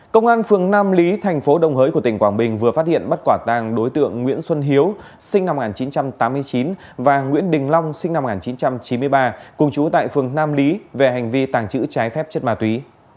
công an phường nam lý thành phố đồng hới của tỉnh quảng bình vừa phát hiện bắt quả tàng đối tượng nguyễn xuân hiếu sinh năm một nghìn chín trăm tám mươi chín và nguyễn đình long sinh năm một nghìn chín trăm chín mươi ba cùng chú tại phường nam lý về hành vi tàng trữ trái phép chất ma túy